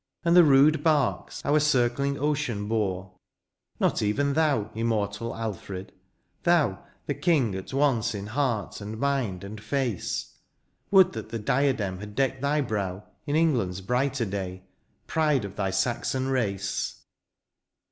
And the rude barks our circling ocean bore ? Not even thou, immortal Alfred, — thou. The king at once in heart, and mind, and face ; Would that the diadem had decked thy brow In England's brighter day, pride of thy Saxon rac^.